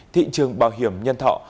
thị trường bảo hiểm nhân thọ